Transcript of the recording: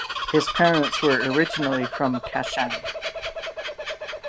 His parents were originally from Kashan.